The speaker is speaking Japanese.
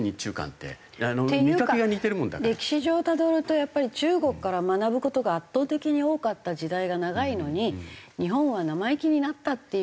っていうか歴史上をたどるとやっぱり中国から学ぶ事が圧倒的に多かった時代が長いのに日本は生意気になったっていう風に。